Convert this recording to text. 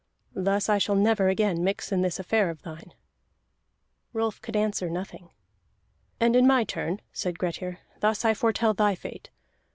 Thus I shall never again mix in this affair of thine." Rolf could answer nothing. "And in my turn," said Grettir, "thus I foretell thy fate.